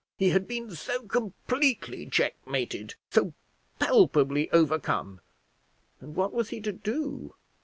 He had been so completely checkmated, so palpably overcome! and what was he to do?